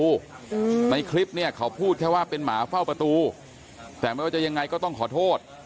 อืมในคลิปเนี้ยเขาพูดแค่ว่าเป็นหมาเฝ้าประตูแต่ไม่ว่าจะยังไงก็ต้องขอโทษ